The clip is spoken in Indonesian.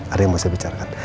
ada yang mau saya bicarakan